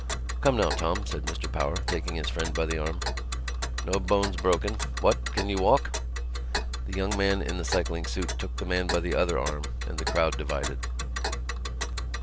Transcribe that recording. "Come now, Tom," said Mr Power, taking his friend by the arm. "No bones broken. What? Can you walk?" The young man in the cycling suit took the man by the other arm and the crowd divided.